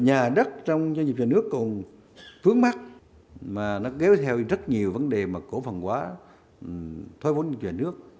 nhà đất trong doanh nghiệp nhà nước còn phướng mắt mà nó kéo theo rất nhiều vấn đề mà cổ phân hóa thoái vốn doanh nghiệp nhà nước